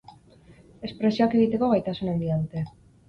Espresioak egiteko gaitasun handia dute.